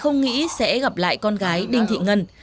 không nghĩ sẽ gặp lại con gái đinh thị ngân